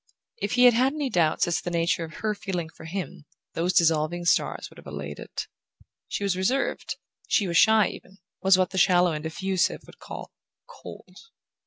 If he had had any doubt as to the nature of her feeling for him those dissolving stars would have allayed it. She was reserved, she was shy even, was what the shallow and effusive would call "cold".